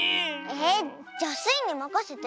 えっじゃスイにまかせて。